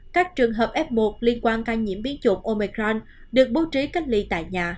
các trường hợp f một liên quan ca nhiễm biến chủng omecran được bố trí cách ly tại nhà